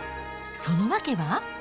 その訳は。